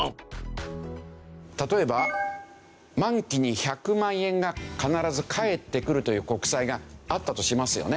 例えば満期に１００万円が必ず返ってくるという国債があったとしますよね。